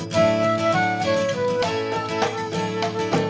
gimana kabarnya firman sah fitra